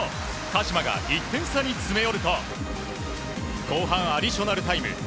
鹿島が１点差に詰め寄ると後半アディショナルタイム。